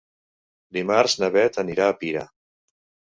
Dimarts na Beth anirà a Pira.